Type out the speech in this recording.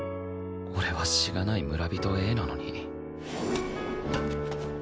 俺はしがない村人Ａなのに。